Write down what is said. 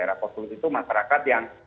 era post truth itu masyarakat yang